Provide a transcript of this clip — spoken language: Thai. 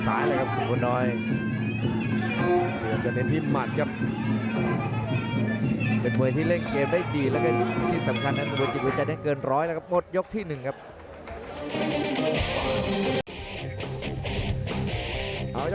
แต่ในที่แปลงซ้ายเลยครับคุณคนน้อย